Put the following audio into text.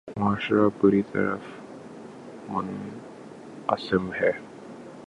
معاشرہ بری طرح منقسم ہے۔